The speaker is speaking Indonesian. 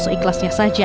atau seikhlasnya saja